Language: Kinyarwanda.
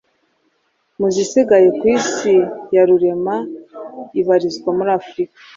mu zisigaye ku isi ya rurema ibarizwa muri Afurika